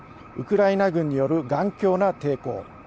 ウクライナ軍による頑強な抵抗。